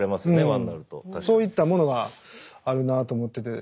そういったものがあるなあと思ってて。